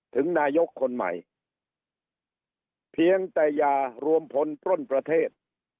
ถึงนายกคนใหม่เพียงแต่อย่ารวมพลปล้นประเทศ